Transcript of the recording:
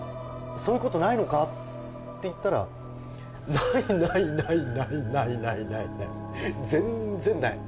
「そういうことないのか？」って言ったら「ないないない全然ない」